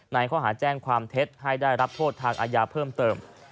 ในข้อหาแจ้งความเท็จให้ได้รับโทษทางอาญาเพิ่มเติม